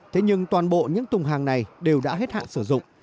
thế nhưng toàn bộ những tùng hàng này đều đã hết hạn sử dụng